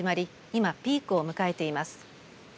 今、ピークを迎えています。